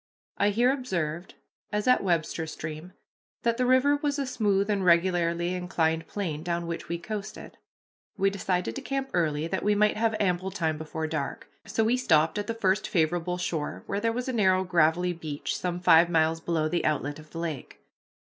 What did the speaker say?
I here observed, as at Webster Stream, that the river was a smooth and regularly inclined plane down which we coasted. We decided to camp early that we might have ample time before dark. So we stopped at the first favorable shore, where there was a narrow gravelly beach, some five miles below the outlet of the lake.